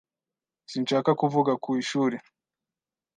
Sinshaka kuvuga ku ishuri.